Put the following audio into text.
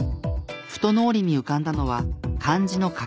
ふと脳裏に浮かんだのは漢字の書き取り。